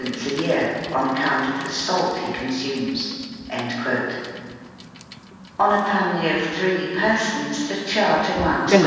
a year on account of the salt he consumes." On a family of three per sons the charge amounts to Is.